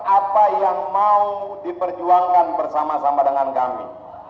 apa yang mau diperjuangkan bersama sama dengan kami